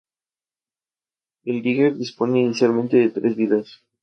El Digger dispone inicialmente de tres vidas.